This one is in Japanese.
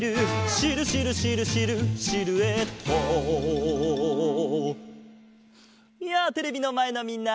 「シルシルシルシルシルエット」やあテレビのまえのみんな！